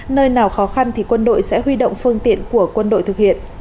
nơi nào khó khăn thì quân đội sẽ huy động phương tiện của quân đội thực hiện